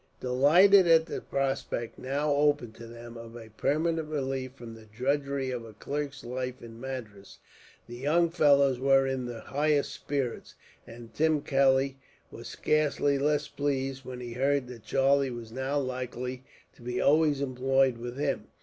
Delighted at the prospect, now open to them, of a permanent relief from the drudgery of a clerk's life in Madras, the young fellows were in the highest spirits; and Tim Kelly was scarcely less pleased, when he heard that Charlie was now likely to be always employed with him.